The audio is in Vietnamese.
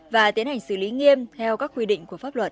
và tiến hành xử lý nghiêm theo các quy định